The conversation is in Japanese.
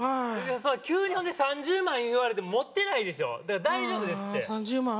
急にほんで３０万言われても持ってないでしょだから大丈夫ですってはあ３０万？